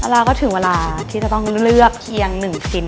แล้วก็ถึงเวลาที่จะต้องเลือกเพียง๑ชิ้น